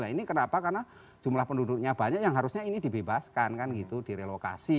nah ini kenapa karena jumlah penduduknya banyak yang harusnya ini dibebaskan kan gitu direlokasi